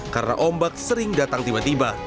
karena ombak sering datang tiba tiba